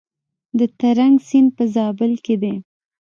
د ترنک سیند په زابل کې دی